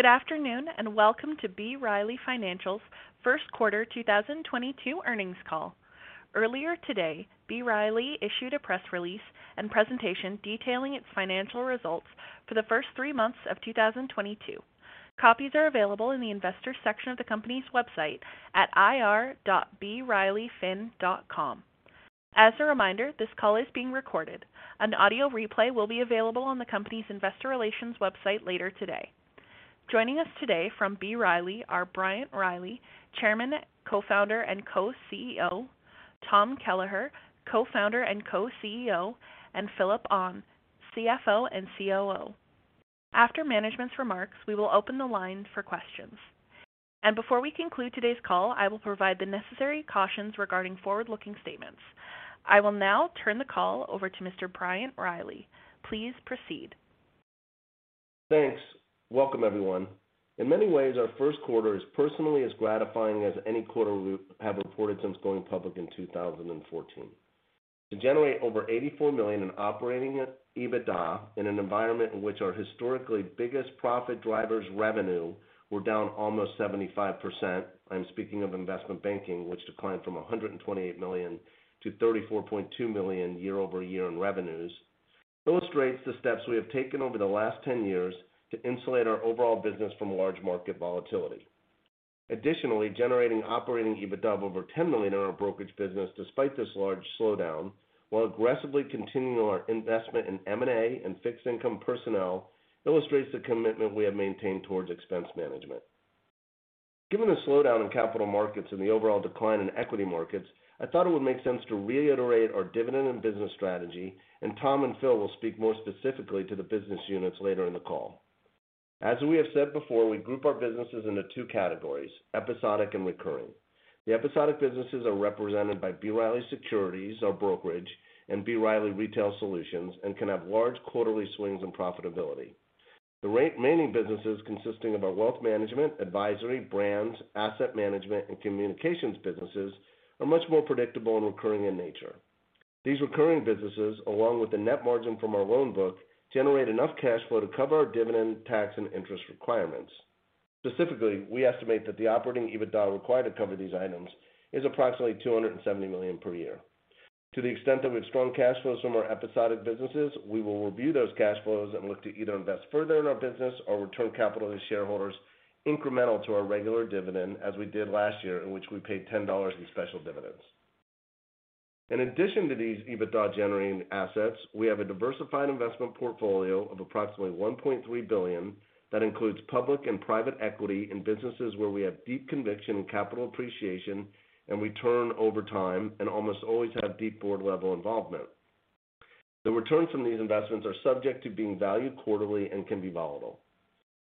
Good afternoon, and welcome to B. Riley Financial's first quarter 2022 earnings call. Earlier today, B. Riley issued a press release and presentation detailing its financial results for the first three months of 2022. Copies are available in the investors section of the company's website at ir.brileyfin.com. As a reminder, this call is being recorded. An audio replay will be available on the company's investor relations website later today. Joining us today from B. Riley are Bryant Riley, Chairman, Co-Founder, and Co-CEO, Tom Kelleher, Co-Founder and Co-CEO, and Phillip Ahn, CFO and COO. After management's remarks, we will open the line for questions. Before we conclude today's call, I will provide the necessary cautions regarding forward-looking statements. I will now turn the call over to Mr. Bryant Riley. Please proceed. Thanks. Welcome, everyone. In many ways, our first quarter is personally as gratifying as any quarter we have reported since going public in 2014. To generate over $84 million in operating EBITDA in an environment in which our historically biggest profit drivers revenue were down almost 75%, I'm speaking of investment banking, which declined from $128 million to $34.2 million year-over-year in revenues, illustrates the steps we have taken over the last 10 years to insulate our overall business from large market volatility. Additionally, generating operating EBITDA of over $10 million in our brokerage business despite this large slowdown, while aggressively continuing our investment in M&A and fixed income personnel illustrates the commitment we have maintained towards expense management. Given the slowdown in capital markets and the overall decline in equity markets, I thought it would make sense to reiterate our dividend and business strategy, and Tom and Phil will speak more specifically to the business units later in the call. As we have said before, we group our businesses into two categories, episodic and recurring. The episodic businesses are represented by B. Riley Securities, our brokerage, and B. Riley Retail Solutions, and can have large quarterly swings in profitability. The remaining businesses consisting of our wealth management, advisory, brands, asset management, and communications businesses are much more predictable and recurring in nature. These recurring businesses, along with the net margin from our loan book, generate enough cash flow to cover our dividend, tax, and interest requirements. Specifically, we estimate that the operating EBITDA required to cover these items is approximately $270 million per year. To the extent that we have strong cash flows from our episodic businesses, we will review those cash flows and look to either invest further in our business or return capital to shareholders incremental to our regular dividend as we did last year in which we paid $10 in special dividends. In addition to these EBITDA generating assets, we have a diversified investment portfolio of approximately $1.3 billion that includes public and private equity in businesses where we have deep conviction in capital appreciation and return over time and almost always have deep board-level involvement. The returns from these investments are subject to being valued quarterly and can be volatile.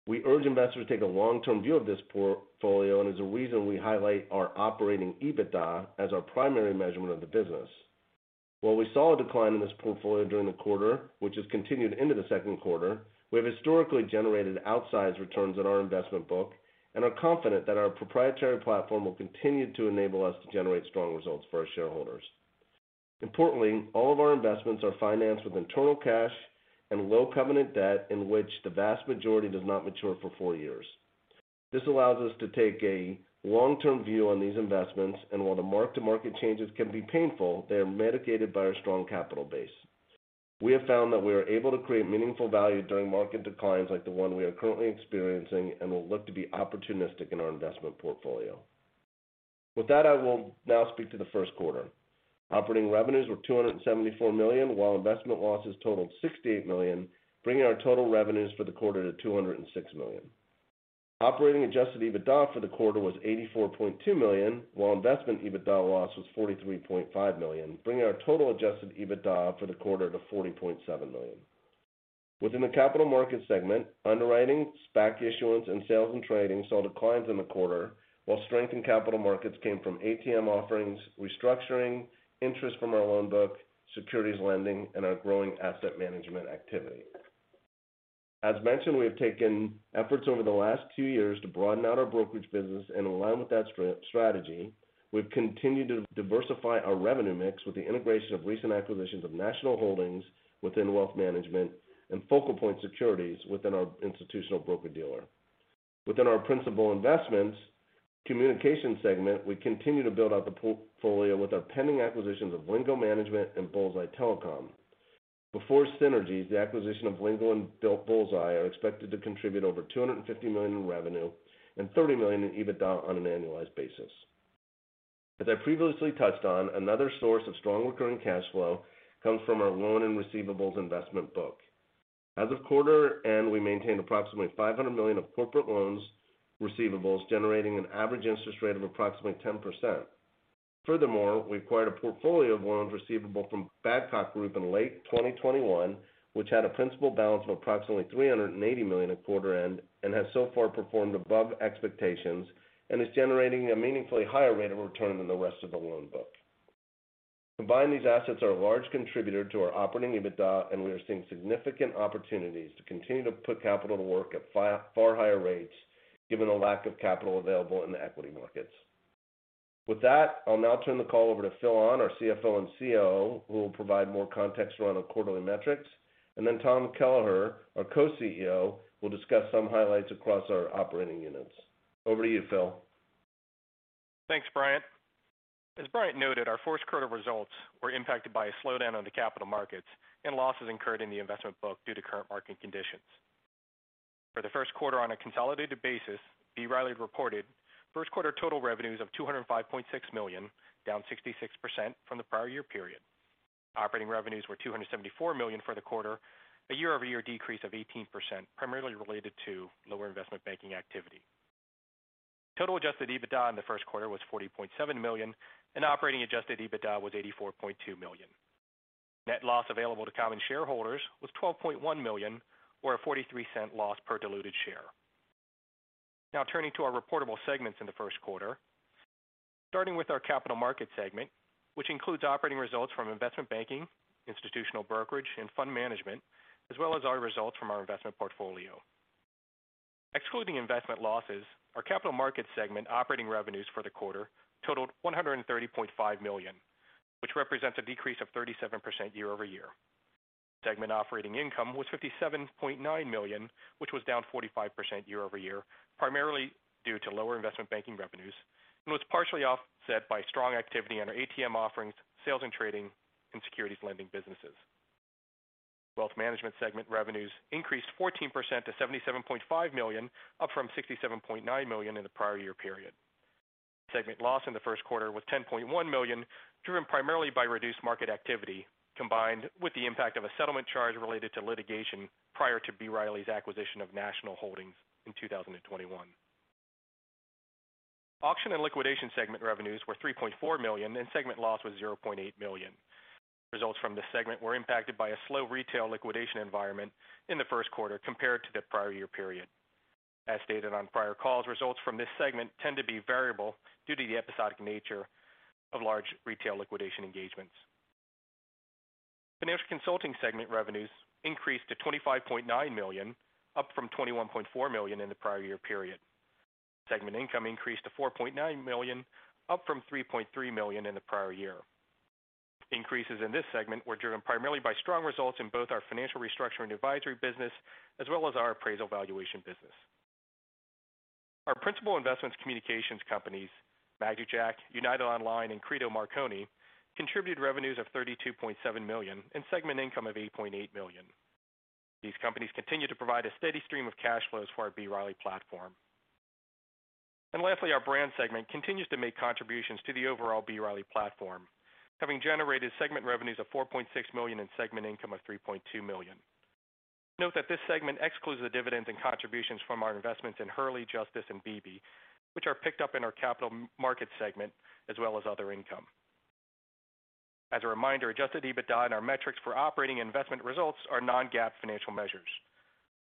We urge investors to take a long-term view of this portfolio, and as a reason we highlight our operating EBITDA as our primary measurement of the business. While we saw a decline in this portfolio during the quarter, which has continued into the second quarter, we have historically generated outsized returns on our investment book and are confident that our proprietary platform will continue to enable us to generate strong results for our shareholders. Importantly, all of our investments are financed with internal cash and low covenant debt in which the vast majority does not mature for four years. This allows us to take a long-term view on these investments, and while the mark-to-market changes can be painful, they are mitigated by our strong capital base. We have found that we are able to create meaningful value during market declines like the one we are currently experiencing and will look to be opportunistic in our investment portfolio. With that, I will now speak to the first quarter. Operating revenues were $274 million, while investment losses totaled $68 million, bringing our total revenues for the quarter to $206 million. Operating adjusted EBITDA for the quarter was $84.2 million, while investment EBITDA loss was $43.5 million, bringing our total adjusted EBITDA for the quarter to $40.7 million. Within the capital markets segment, underwriting, SPAC issuance, and sales and trading saw declines in the quarter, while strength in capital markets came from ATM offerings, restructuring, interest from our loan book, securities lending, and our growing asset management activity. As mentioned, we have taken efforts over the last two years to broaden out our brokerage business, and in line with that strategy, we've continued to diversify our revenue mix with the integration of recent acquisitions of National Holdings within wealth management and FocalPoint Securities within our institutional broker-dealer. Within our principal investments communication segment, we continue to build out the portfolio with our pending acquisitions of Lingo Management and BullsEye Telecom. Before synergies, the acquisition of Lingo and BullsEye are expected to contribute over $250 million in revenue and $30 million in EBITDA on an annualized basis. As I previously touched on, another source of strong recurring cash flow comes from our loan and receivables investment book. As of quarter end, we maintained approximately $500 million of corporate loans receivables, generating an average interest rate of approximately 10%. Furthermore, we acquired a portfolio of loans receivable from Badcock in late 2021, which had a principal balance of approximately $380 million at quarter end and has so far performed above expectations and is generating a meaningfully higher rate of return than the rest of the loan book. Combined, these assets are a large contributor to our operating EBITDA, and we are seeing significant opportunities to continue to put capital to work at far higher rates given the lack of capital available in the equity markets. With that, I'll now turn the call over to Phillip Ahn, our CFO and COO, who will provide more context around our quarterly metrics. Tom Kelleher, our Co-CEO, will discuss some highlights across our operating units. Over to you, Phil. Thanks, Bryant. As Bryant noted, our first quarter results were impacted by a slowdown on the capital markets and losses incurred in the investment book due to current market conditions. For the first quarter, on a consolidated basis, B. Riley reported first quarter total revenues of $205.6 million, down 66% from the prior year period. Operating revenues were $274 million for the quarter, a year-over-year decrease of 18%, primarily related to lower investment banking activity. Total adjusted EBITDA in the first quarter was $40.7 million, and operating adjusted EBITDA was $84.2 million. Net loss available to common shareholders was $12.1 million or a $0.43 loss per diluted share. Now turning to our reportable segments in the first quarter, starting with our Capital Markets segment, which includes operating results from investment banking, institutional brokerage, and fund management, as well as our results from our investment portfolio. Excluding investment losses, our Capital Markets segment operating revenues for the quarter totaled $130.5 million, which represents a decrease of 37% year-over-year. Segment operating income was $57.9 million, which was down 45% year-over-year, primarily due to lower investment banking revenues and was partially offset by strong activity under ATM offerings, sales and trading, and securities lending businesses. Wealth Management segment revenues increased 14% to $77.5 million, up from $67.9 million in the prior year period. Segment loss in the first quarter was $10.1 million, driven primarily by reduced market activity, combined with the impact of a settlement charge related to litigation prior to B. Riley's acquisition of National Holdings in 2021. Auction and liquidation segment revenues were $3.4 million, and segment loss was $0.8 million. Results from this segment were impacted by a slow retail liquidation environment in the first quarter compared to the prior year period. As stated on prior calls, results from this segment tend to be variable due to the episodic nature of large retail liquidation engagements. Financial consulting segment revenues increased to $25.9 million, up from $21.4 million in the prior year period. Segment income increased to $4.9 million, up from $3.3 million in the prior year. Increases in this segment were driven primarily by strong results in both our financial restructuring advisory business as well as our appraisal valuation business. Our principal investments communications companies, magicJack, United Online, and CREDO Mobile, contributed revenues of $32.7 million and segment income of $8.8 million. These companies continue to provide a steady stream of cash flows for our B. Riley platform. Lastly, our brand segment continues to make contributions to the overall B. Riley platform, having generated segment revenues of $4.6 million and segment income of $3.2 million. Note that this segment excludes the dividends and contributions from our investments in Hurley, Justice, and Bebe, which are picked up in our capital markets segment as well as other income. As a reminder, adjusted EBITDA and our metrics for operating investment results are non-GAAP financial measures.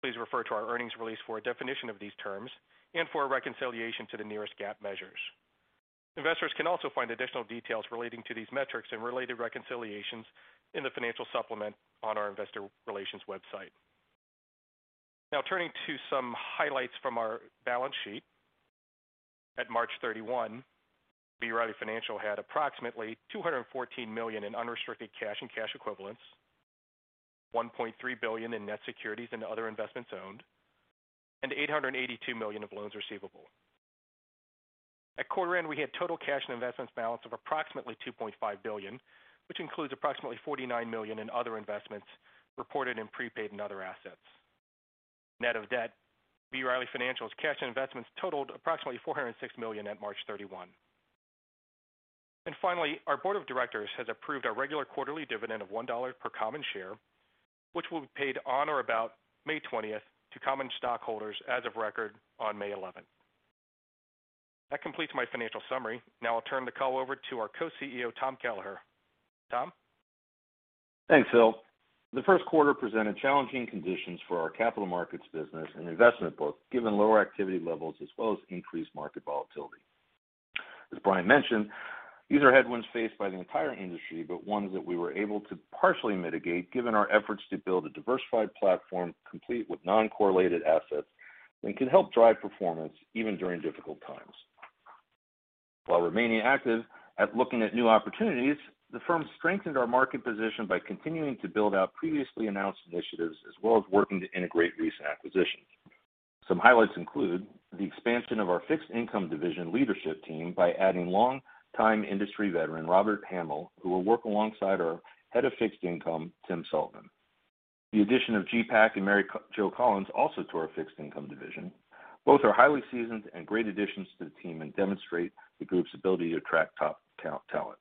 Please refer to our earnings release for a definition of these terms and for a reconciliation to the nearest GAAP measures. Investors can also find additional details relating to these metrics and related reconciliations in the financial supplement on our investor relations website. Now turning to some highlights from our balance sheet. At March 31, B. Riley Financial had approximately $214 million in unrestricted cash and cash equivalents, $1.3 billion in net securities and other investments owned, and $882 million of loans receivable. At quarter end, we had total cash and investments balance of approximately $2.5 billion, which includes approximately $49 million in other investments reported in prepaid and other assets. Net of debt, B. Riley Financial's cash and investments totaled approximately $406 million at March 31. Finally, our board of directors has approved a regular quarterly dividend of $1 per common share, which will be paid on or about May 20 to common stockholders as of record on May 11. That completes my financial summary. Now I'll turn the call over to our Co-CEO, Tom Kelleher. Tom? Thanks, Phil. The first quarter presented challenging conditions for our capital markets business and investment book given lower activity levels as well as increased market volatility. As Bryant mentioned, these are headwinds faced by the entire industry, but ones that we were able to partially mitigate given our efforts to build a diversified platform complete with non-correlated assets that can help drive performance even during difficult times. While remaining active at looking at new opportunities, the firm strengthened our market position by continuing to build out previously announced initiatives as well as working to integrate recent acquisitions. Some highlights include the expansion of our fixed income division leadership team by adding longtime industry veteran Robert Hamill, who will work alongside our Head of Fixed Income, Tim Sullivan. The addition of Ji Pak and Mary Jo Collins also to our fixed income division. Both are highly seasoned and great additions to the team and demonstrate the group's ability to attract top talent.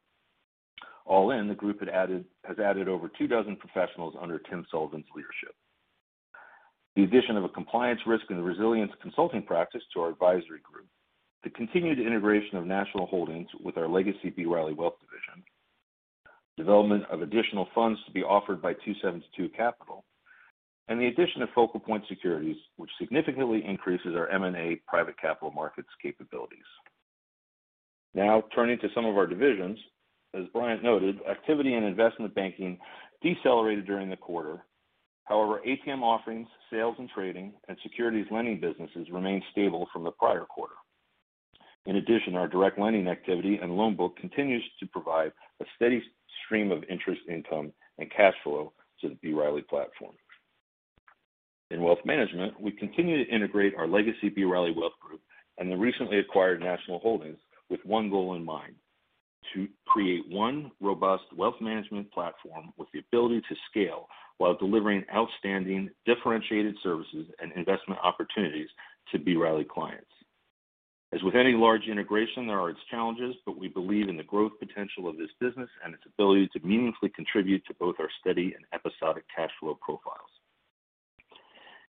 All in, the group has added over two dozen professionals under Tim Sullivan's leadership. The addition of a compliance risk and resilience consulting practice to our advisory group. The continued integration of National Holdings with our legacy B. Riley Wealth division. Development of additional funds to be offered by 272 Capital. The addition of FocalPoint Securities, which significantly increases our M&A private capital markets capabilities. Now turning to some of our divisions. As Bryant noted, activity in investment banking decelerated during the quarter. However, ATM offerings, sales and trading, and securities lending businesses remained stable from the prior quarter. In addition, our direct lending activity and loan book continues to provide a steady stream of interest income and cash flow to the B. Riley platform. In wealth management, we continue to integrate our legacy B. Riley Wealth Management and the recently acquired National Holdings with one goal in mind, to create one robust wealth management platform with the ability to scale while delivering outstanding differentiated services and investment opportunities to B. Riley clients. As with any large integration, there are its challenges, but we believe in the growth potential of this business and its ability to meaningfully contribute to both our steady and episodic cash flow profiles.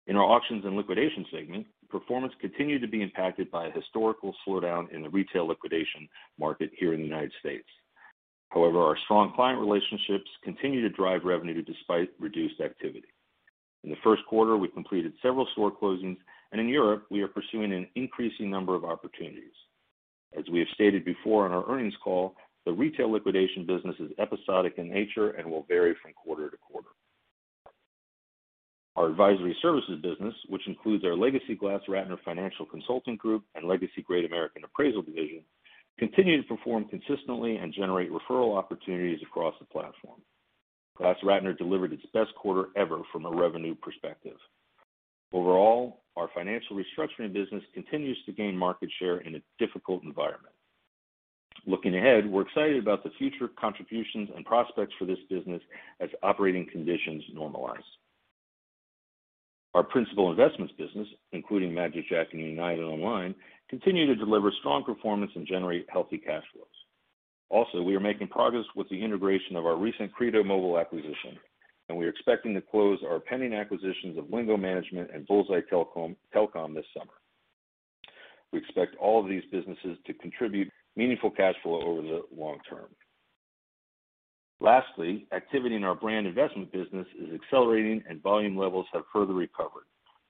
In our auctions and liquidation segment, performance continued to be impacted by a historical slowdown in the retail liquidation market here in the United States. However, our strong client relationships continue to drive revenue despite reduced activity. In the first quarter, we completed several store closings, and in Europe we are pursuing an increasing number of opportunities. As we have stated before on our earnings call, the retail liquidation business is episodic in nature and will vary from quarter to quarter. Our advisory services business, which includes our legacy GlassRatner and legacy Great American Group, continue to perform consistently and generate referral opportunities across the platform. GlassRatner delivered its best quarter ever from a revenue perspective. Overall, our financial restructuring business continues to gain market share in a difficult environment. Looking ahead, we're excited about the future contributions and prospects for this business as operating conditions normalize. Our principal investments business, including magicJack and United Online, continue to deliver strong performance and generate healthy cash flows. Also, we are making progress with the integration of our recent CREDO Mobile acquisition, and we are expecting to close our pending acquisitions of Lingo Management and BullsEye Telecom this summer. We expect all of these businesses to contribute meaningful cash flow over the long term. Lastly, activity in our brand investment business is accelerating and volume levels have further recovered.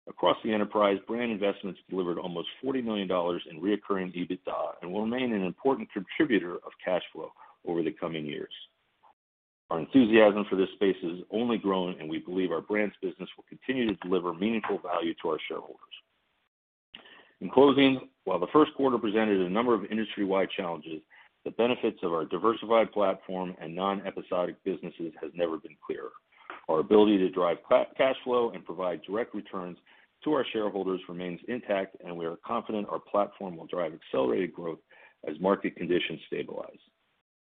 Across the enterprise, brand investments delivered almost $40 million in recurring EBITDA and will remain an important contributor of cash flow over the coming years. Our enthusiasm for this space has only grown, and we believe our brands business will continue to deliver meaningful value to our shareholders. In closing, while the first quarter presented a number of industry-wide challenges, the benefits of our diversified platform and non-episodic businesses has never been clearer. Our ability to drive cash flow and provide direct returns to our shareholders remains intact, and we are confident our platform will drive accelerated growth as market conditions stabilize.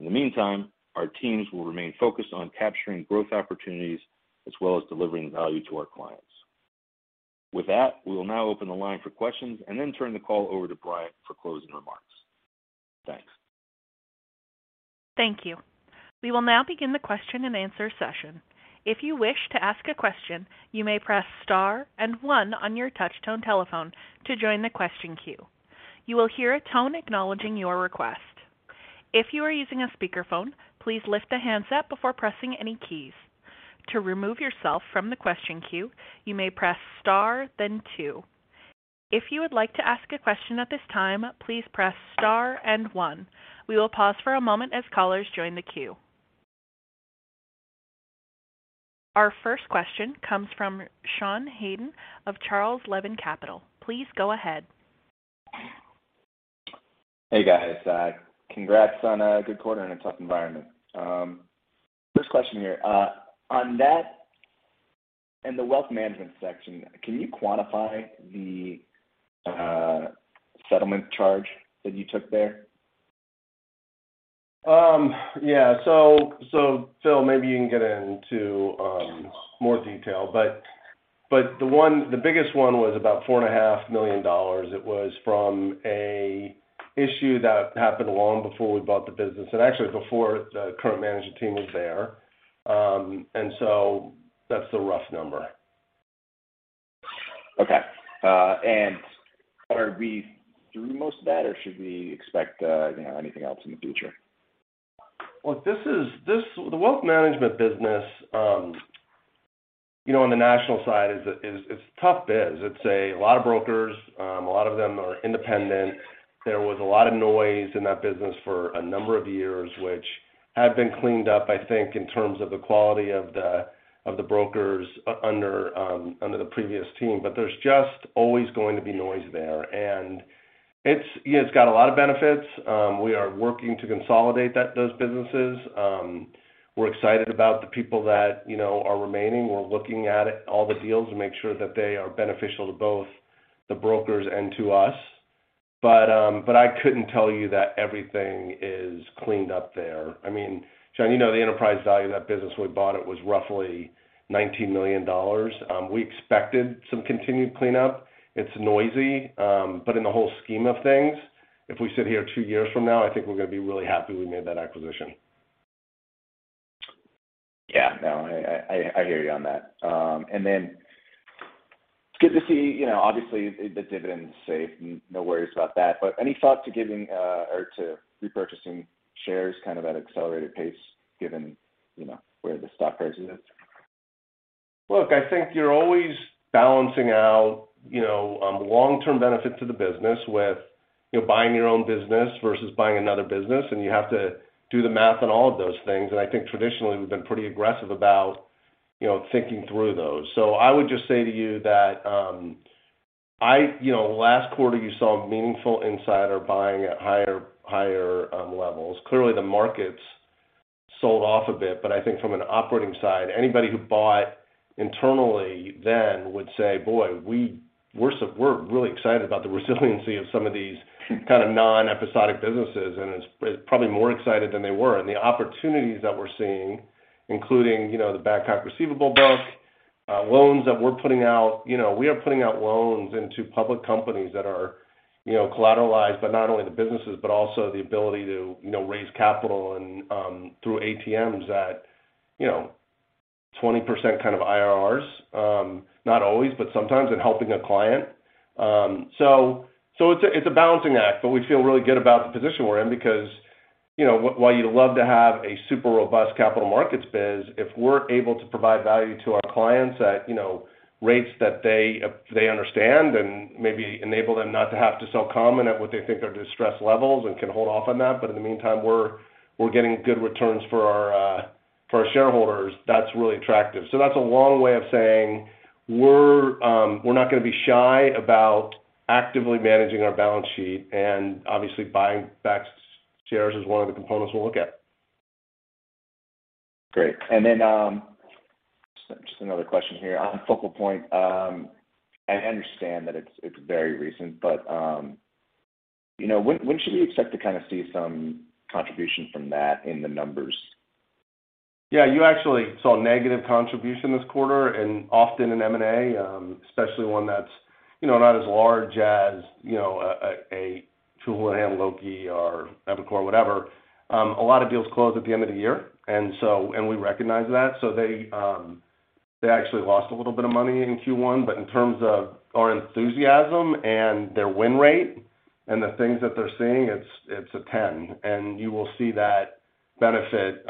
In the meantime, our teams will remain focused on capturing growth opportunities as well as delivering value to our clients. With that, we will now open the line for questions and then turn the call over to Bryant for closing remarks. Thanks. Thank you. We will now begin the question and answer session. If you wish to ask a question, you may press star and one on your touch-tone telephone to join the question queue. You will hear a tone acknowledging your request. If you are using a speakerphone, please lift the handset before pressing any keys. To remove yourself from the question queue, you may press star then two. If you would like to ask a question at this time, please press star and one. We will pause for a moment as callers join the queue. Our first question comes from Sean Haydon of Charles Lane Capital. Please go ahead. Hey, guys. Congrats on a good quarter in a tough environment. First question here. On that and the wealth management section, can you quantify the settlement charge that you took there? Phil, maybe you can get into more detail, but the biggest one was about $4.5 million dollars. It was from an issue that happened long before we bought the business and actually before the current management team was there. That's the rough number. Okay. Are we through most of that or should we expect, you know, anything else in the future? Look, this is the wealth management business, you know, on the national side. It's tough biz. It's a lot of brokers. A lot of them are independent. There was a lot of noise in that business for a number of years, which have been cleaned up, I think, in terms of the quality of the brokers under the previous team. But there's just always going to be noise there. It's, you know, got a lot of benefits. We are working to consolidate those businesses. We're excited about the people that, you know, are remaining. We're looking at all the deals to make sure that they are beneficial to both the brokers and to us. But I couldn't tell you that everything is cleaned up there. I mean, Sean, you know the enterprise value of that business when we bought it was roughly $19 million. We expected some continued cleanup. It's noisy. In the whole scheme of things, if we sit here two years from now, I think we're gonna be really happy we made that acquisition. I hear you on that. It's good to see, you know, obviously the dividend's safe. No worries about that. Any thought to giving or to repurchasing shares kind of at an accelerated pace, given, you know, where the stock price is? Look, I think you're always balancing out, you know, long-term benefit to the business with You're buying your own business versus buying another business, and you have to do the math on all of those things. I think traditionally, we've been pretty aggressive about, you know, thinking through those. I would just say to you that, you know, last quarter, you saw meaningful insider buying at higher levels. Clearly, the markets sold off a bit, but I think from an operating side, anybody who bought internally then would say, "Boy, we're really excited about the resiliency of some of these kind of non-episodic businesses," and it's probably more excited than they were. The opportunities that we're seeing, including, you know, the Badcock receivable book, loans that we're putting out. You know, we are putting out loans into public companies that are, you know, collateralized by not only the businesses, but also the ability to, you know, raise capital and through ATMs at, you know, 20% kind of IRRs, not always, but sometimes in helping a client. It's a balancing act, but we feel really good about the position we're in because, you know, while you'd love to have a super robust capital markets biz, if we're able to provide value to our clients at, you know, rates that they understand and maybe enable them not to have to sell common at what they think are distressed levels and can hold off on that, but in the meantime, we're getting good returns for our shareholders, that's really attractive. That's a long way of saying we're not gonna be shy about actively managing our balance sheet, and obviously, buying back shares is one of the components we'll look at. Great. Just another question here. On FocalPoint, I understand that it's very recent, but you know, when should we expect to kind of see some contribution from that in the numbers? Yeah, you actually saw negative contribution this quarter, and often in M&A, especially one that's, you know, not as large as, you know, a Houlihan Lokey or Evercore, whatever, a lot of deals close at the end of the year, and we recognize that. They actually lost a little bit of money in Q1, but in terms of our enthusiasm and their win rate and the things that they're seeing, it's a 10. You will see that benefit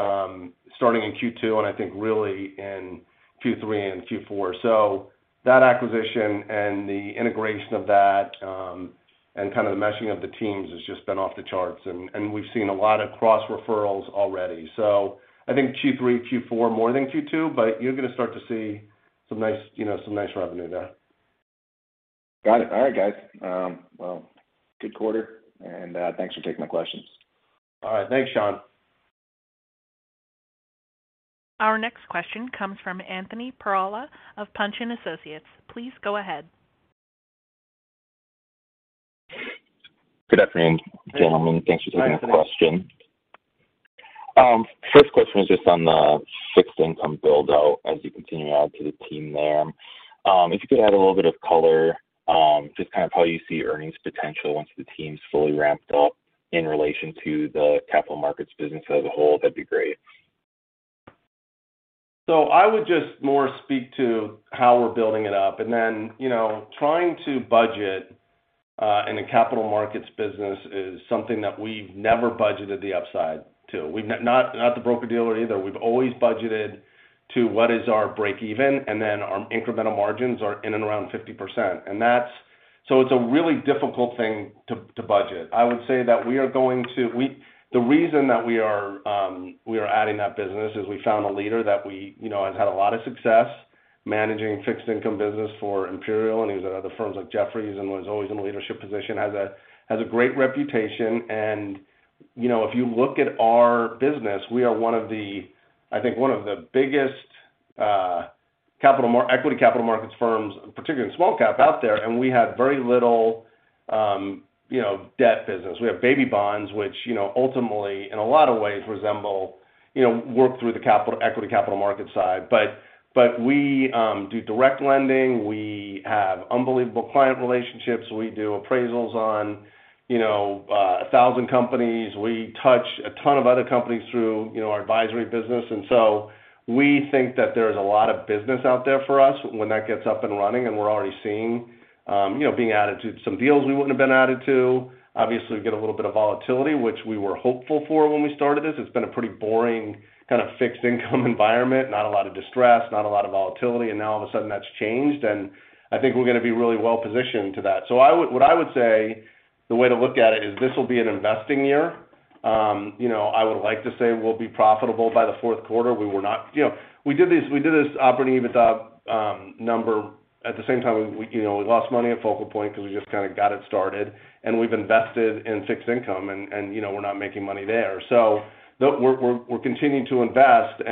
starting in Q2, and I think really in Q3 and Q4. That acquisition and the integration of that and kind of the meshing of the teams has just been off the charts, and we've seen a lot of cross-referrals already. I think Q3, Q4 more than Q2, but you're gonna start to see some nice, you know, some nice revenue there. Got it. All right, guys. Well, good quarter, and thanks for taking the questions. All right. Thanks, Sean. Our next question comes from Anthony Perala of Punch & Associates. Please go ahead. Good afternoon, gentlemen. Thanks for taking our question. First question is just on the fixed income build-out as you continue to add to the team there. If you could add a little bit of color, just kind of how you see earnings potential once the team's fully ramped up in relation to the capital markets business as a whole, that'd be great. I would just to speak to how we're building it up. Then, you know, trying to budget in a capital markets business is something that we've never budgeted the upside to. Not the broker-dealer either. We've always budgeted to what is our break even, and then our incremental margins are in and around 50%. It's a really difficult thing to budget. I would say that the reason that we are adding that business is we found a leader that we, you know, has had a lot of success managing fixed income business for Imperial, and he was at other firms like Jefferies and was always in a leadership position, has a great reputation. You know, if you look at our business, we are one of the, I think one of the biggest equity capital markets firms, particularly in small cap, out there, and we have very little, you know, debt business. We have baby bonds which, you know, ultimately, in a lot of ways resemble, you know, equity capital market side. But we do direct lending. We have unbelievable client relationships. We do appraisals on, you know, 1,000 companies. We touch a ton of other companies through, you know, our advisory business. We think that there's a lot of business out there for us when that gets up and running, and we're already seeing, you know, being added to some deals we wouldn't have been added to. Obviously, we get a little bit of volatility, which we were hopeful for when we started this. It's been a pretty boring kind of fixed income environment, not a lot of distress, not a lot of volatility, and now all of a sudden that's changed, and I think we're gonna be really well-positioned to that. What I would say, the way to look at it, is this will be an investing year. You know, I would like to say we'll be profitable by the fourth quarter. We were not. You know, we did this operating EBITDA number. At the same time, you know, we lost money at FocalPoint because we just kinda got it started, and we've invested in fixed income and, you know, we're not making money there. We're continuing to invest.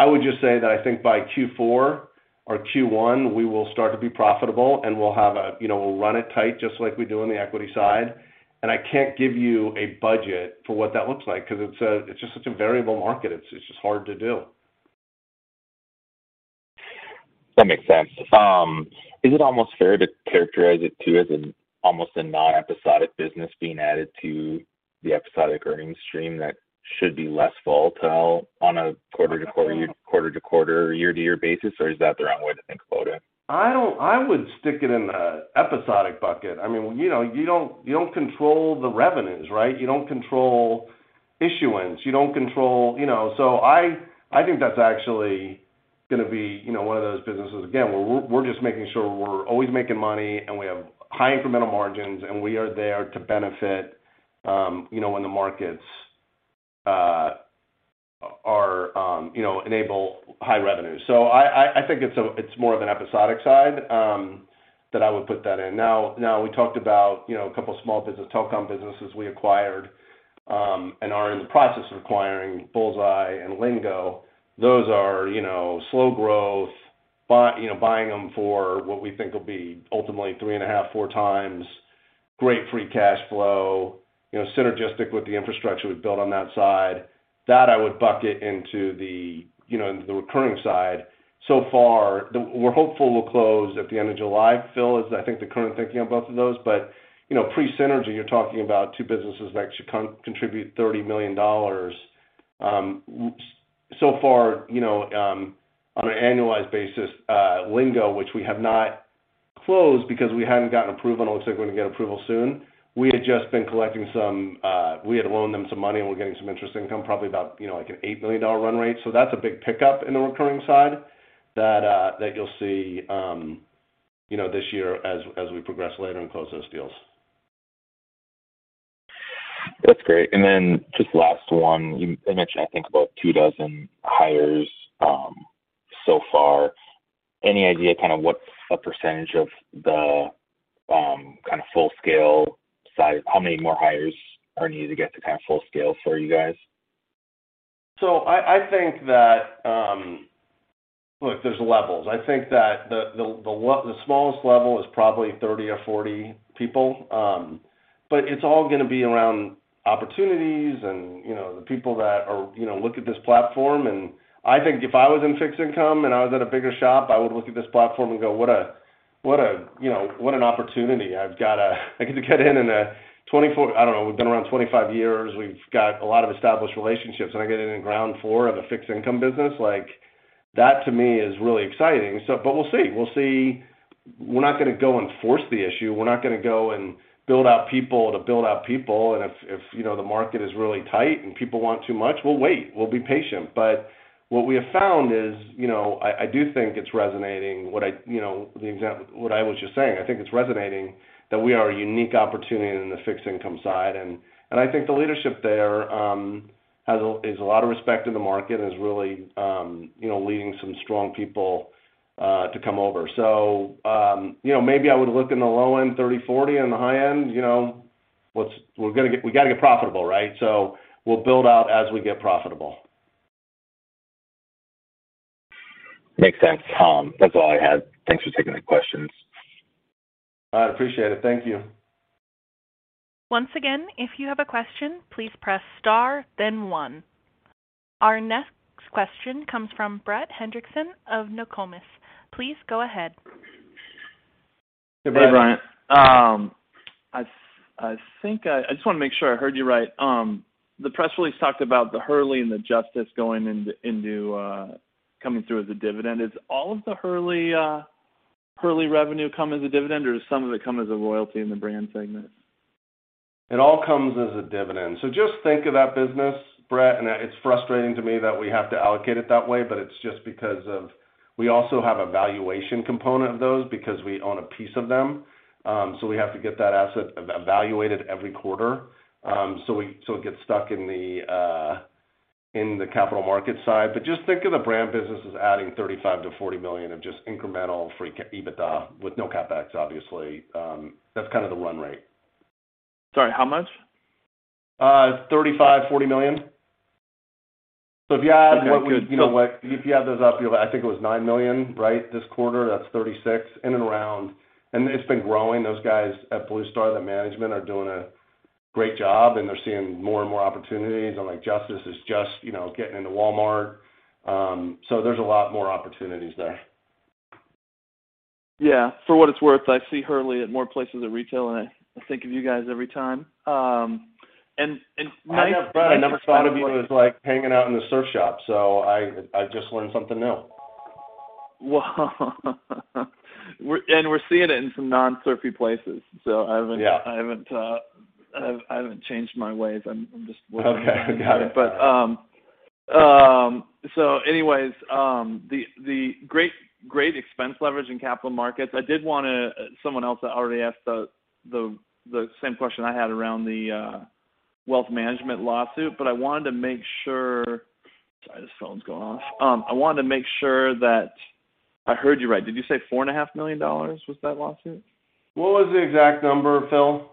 I would just say that I think by Q4 or Q1, we will start to be profitable, and we'll have a, you know, we'll run it tight just like we do on the equity side. I can't give you a budget for what that looks like because it's just such a variable market. It's just hard to do. That makes sense. Is it almost fair to characterize it too as an almost non-episodic business being added to the episodic earnings stream that should be less volatile on a quarter-to-quarter, year-to-year basis, or is that the wrong way to think about it? I would stick it in the episodic bucket. I mean, you know, you don't control the revenues, right? You don't control issuance. You don't control, you know. I think that's actually going to be, you know, one of those businesses. Again, we're just making sure we're always making money, and we have high incremental margins, and we are there to benefit, you know, when the markets are, you know, enable high revenue. I think it's more of an episodic side that I would put that in. Now we talked about, you know, a couple small telecom businesses we acquired and are in the process of acquiring, BullsEye and Lingo. Those are, you know, slow growth. You know, buying them for what we think will be ultimately 3.5-4 times great free cash flow, you know, synergistic with the infrastructure we've built on that side. That I would bucket into the, you know, into the recurring side. So far, we're hopeful we'll close at the end of July. Phil is, I think, the current thinking on both of those. You know, pre-synergy, you're talking about two businesses that should contribute $30 million, so far, you know, on an annualized basis. Lingo, which we have not closed because we haven't gotten approval, it looks like we're gonna get approval soon. We had just been collecting some. We had loaned them some money, and we're getting some interest income, probably about, you know, like an $8 million run rate. That's a big pickup in the recurring side that you'll see, you know, this year as we progress later and close those deals. That's great. Just last one. You mentioned, I think, about 24 hires so far. Any idea kind of what a percentage of the kind of full-scale size, how many more hires are needed to get to kind of full scale for you guys? I think. Look, there's levels. I think that the smallest level is probably 30 or 40 people. But it's all gonna be around opportunities and, you know, the people that are, you know, look at this platform. I think if I was in fixed income, and I was at a bigger shop, I would look at this platform and go, "What a, you know, what an opportunity. I've got a. I get to get in. I don't know, we've been around 25 years. We've got a lot of established relationships, and I get in at ground floor of a fixed income business." Like, that to me is really exciting. But we'll see. We'll see. We're not gonna go and force the issue. We're not gonna go and build out people to build out people. If you know, the market is really tight and people want too much, we'll wait. We'll be patient. What we have found is, you know, I do think it's resonating what I, you know, what I was just saying. I think it's resonating that we are a unique opportunity in the fixed income side. I think the leadership there has a lot of respect in the market and is really you know, leading some strong people to come over. You know, maybe I would look in the low end, 30, 40 on the high end. You know, we gotta get profitable, right? We'll build out as we get profitable. Makes sense. That's all I had. Thanks for taking the questions. All right. Appreciate it. Thank you. Once again, if you have a question, please press star then one. Our next question comes from Brett Hendrickson of Nokomis. Please go ahead. Hey, Brett. Hey, Bryant. I think I just wanna make sure I heard you right. The press release talked about the Hurley and the Justice going into coming through as a dividend. Does all of the Hurley revenue come as a dividend, or does some of it come as a royalty in the brand segment? It all comes as a dividend. Just think of that business, Brett, and it's frustrating to me that we have to allocate it that way, but it's just because of. We also have a valuation component of those because we own a piece of them. We have to get that asset evaluated every quarter. It gets stuck in the capital market side. Just think of the brand business as adding $35 million-$40 million of just incremental free EBITDA with no CapEx, obviously. That's kind of the run rate. Sorry, how much? $35 million-$40 million. If you add what we Okay. Good. You know what, if you add those up, I think it was $9 million, right, this quarter. That's $36 million in and around. It's been growing. Those guys at Bluestar Alliance, the management are doing a great job, and they're seeing more and more opportunities. Like Justice is just, you know, getting into Walmart. There's a lot more opportunities there. Yeah. For what it's worth, I see Hurley at more places of retail, and I think of you guys every time. I never, Brett, thought of you as, like, hanging out in the surf shop, so I just learned something new. Wow. We're seeing it in some non-surfy places, so I haven't- Yeah. I haven't changed my ways. I'm just. Okay. Got it. The great expense leverage in capital markets. I did wanna. Someone else already asked the same question I had around the wealth management lawsuit, but I wanted to make sure. Sorry, this phone's going off. I wanted to make sure that I heard you right. Did you say $4.5 million was that lawsuit? What was the exact number, Phil?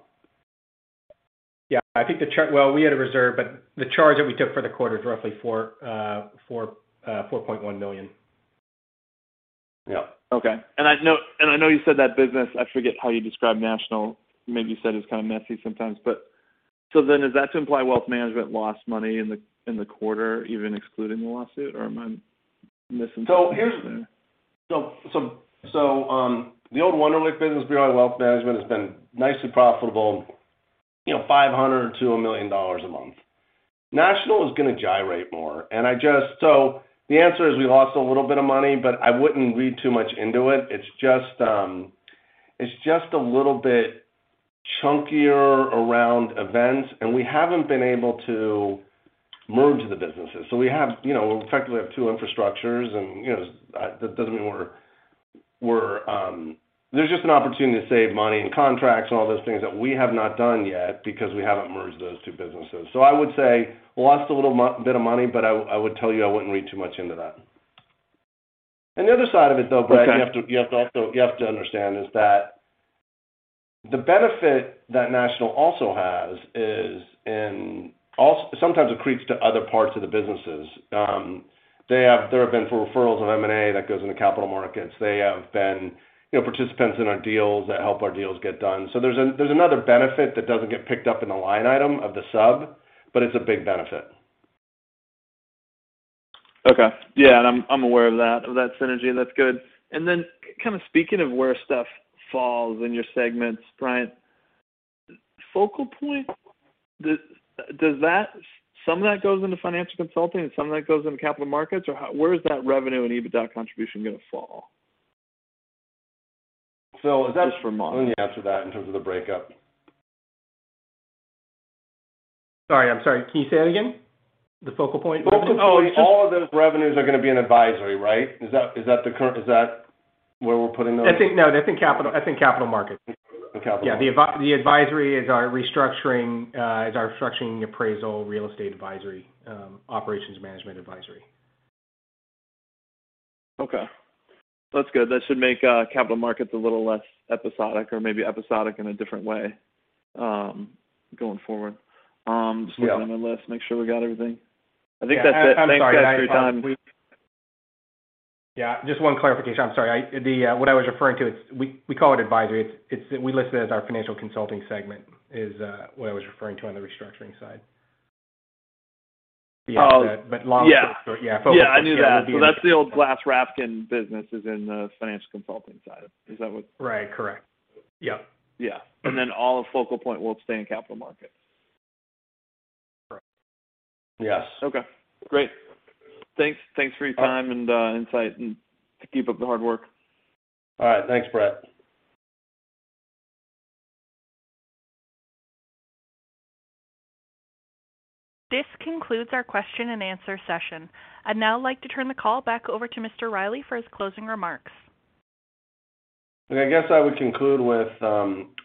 Well, we had a reserve, but the charge that we took for the quarter is roughly $4.1 million. Yeah. Okay. I know you said that business. I forget how you described National. Maybe you said it's kind of messy sometimes, but so then is that to imply Wealth Management lost money in the quarter, even excluding the lawsuit, or am I missing something there? The old Wunderlich business beyond wealth management has been nicely profitable, you know, $500-$1 million a month. National is gonna gyrate more. The answer is we lost a little bit of money, but I wouldn't read too much into it. It's just a little bit chunkier around events, and we haven't been able to merge the businesses. We have, you know, effectively two infrastructures and, you know, that doesn't mean we're. There's just an opportunity to save money in contracts and all those things that we have not done yet because we haven't merged those two businesses. I would say we lost a little more bit of money, but I would tell you I wouldn't read too much into that. The other side of it, though, Brett- Okay. You have to understand that the benefit that National also has is also sometimes it creeps to other parts of the businesses. There have been referrals of M&A that goes into capital markets. They have been, you know, participants in our deals that help our deals get done. There's another benefit that doesn't get picked up in the line item of the sub, but it's a big benefit. Okay. Yeah, I'm aware of that synergy. That's good. Then kind of speaking of where stuff falls in your segments, Bryant, FocalPoint, does that some of that goes into financial consulting and some of that goes into capital markets? Or where is that revenue and EBITDA contribution gonna fall? So that's- Just for model. Let me answer that in terms of the breakup. I'm sorry. Can you say that again? Oh, all of those revenues are gonna be in advisory, right? Is that where we're putting those? No, that's in capital markets. In capital markets. Yeah. The advisory is our restructuring appraisal, real estate advisory, operations management advisory. Okay. That's good. That should make capital markets a little less episodic or maybe episodic in a different way, going forward. Yeah. Just looking at my list, make sure we got everything. I think that's it. Yeah. I'm sorry. Thanks, guys, for your time. Yeah, just one clarification. I'm sorry. What I was referring to, it's we call it advisory. It's we list it as our financial consulting segment, what I was referring to on the restructuring side. Oh. Long story short, yeah. Yeah, I knew that. That's the old GlassRatner business is in the financial consulting side. Is that what? Right. Correct. Yep. Yeah. Mm-hmm. All of FocalPoint will stay in capital markets. Correct. Yes. Okay. Great. Thanks for your time and insight, and keep up the hard work. All right. Thanks, Brett. This concludes our question and answer session. I'd now like to turn the call back over to Mr. Riley for his closing remarks. I guess I would conclude with,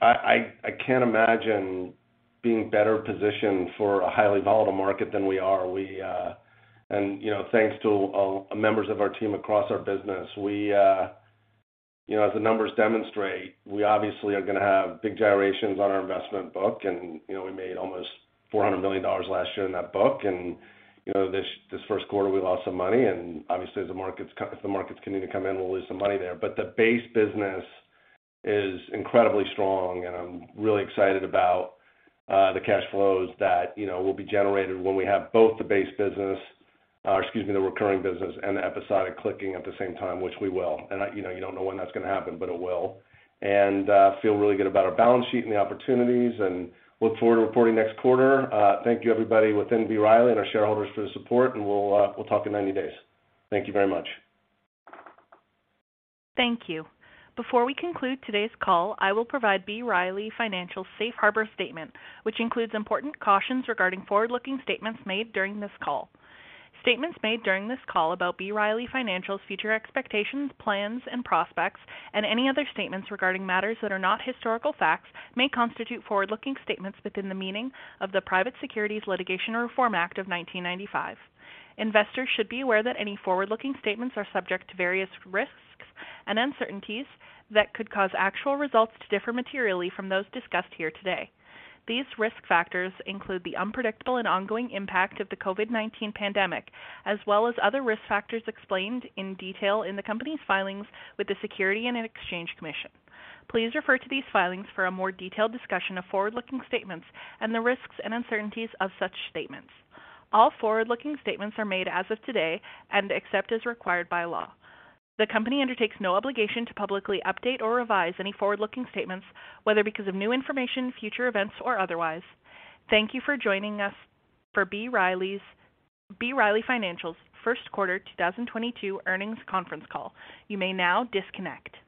I can't imagine being better positioned for a highly volatile market than we are. You know, thanks to all members of our team across our business. You know, as the numbers demonstrate, we obviously are gonna have big gyrations on our investment book and, you know, we made almost $400 million last year in that book and, you know, this first quarter, we lost some money and obviously as the markets continue to come in, we'll lose some money there. But the base business is incredibly strong, and I'm really excited about the cash flows that, you know, will be generated when we have both the recurring business and the episodic kicking at the same time, which we will. I You know, you don't know when that's gonna happen, but it will. Feel really good about our balance sheet and the opportunities and look forward to reporting next quarter. Thank you everybody within B. Riley and our shareholders for the support, and we'll talk in 90 days. Thank you very much. Thank you. Before we conclude today's call, I will provide B. Riley Financial's Safe Harbor statement, which includes important cautions regarding forward-looking statements made during this call. Statements made during this call about B. Riley Financial's future expectations, plans, and prospects, and any other statements regarding matters that are not historical facts may constitute forward-looking statements within the meaning of the Private Securities Litigation Reform Act of 1995. Investors should be aware that any forward-looking statements are subject to various risks and uncertainties that could cause actual results to differ materially from those discussed here today. These risk factors include the unpredictable and ongoing impact of the COVID-19 pandemic, as well as other risk factors explained in detail in the company's filings with the Securities and Exchange Commission. Please refer to these filings for a more detailed discussion of forward-looking statements and the risks and uncertainties of such statements. All forward-looking statements are made as of today and except as required by law. The company undertakes no obligation to publicly update or revise any forward-looking statements, whether because of new information, future events, or otherwise. Thank you for joining us for B. Riley Financial's first quarter 2022 earnings conference call. You may now disconnect.